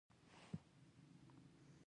هغه د عالي مقام په توګه وټاکل شو.